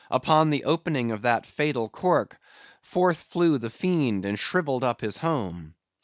Upon the opening of that fatal cork, forth flew the fiend, and shrivelled up his home.